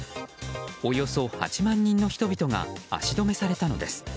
およそ８万人の人々が足止めされたのです。